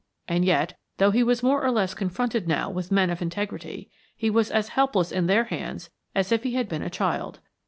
And yet, though he was more or less confronted now with men of integrity, he was as helpless in their hands as if he had been a child.